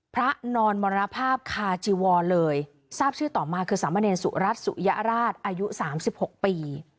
พระนอนมรณภาพคาจีวรเลยทราบชื่อต่อมาคือสามเณรสุรัตนสุยราชอายุ๓๖ปี